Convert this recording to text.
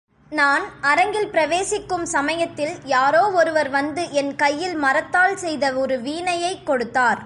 நான் அரங்கில் பிரவேசிக்கும் சமயத்தில் யாரோ ஒருவர் வந்து என் கையில் மரத்தால் செய்த ஒரு வீணையைக் கொடுத்தார்.